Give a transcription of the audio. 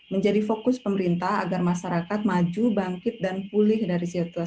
menjadi fokus pemerintah agar masyarakat maju bangkit dan pulih dari situasi pandemi covid sembilan belas